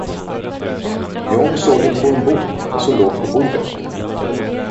John såg på en bok, som låg på bordet.